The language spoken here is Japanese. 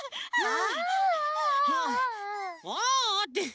「ああ」って